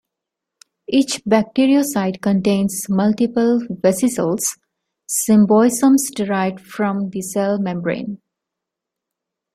Each bacteriocyte contains multiple vesicles, symbiosomes derived from the cell membrane.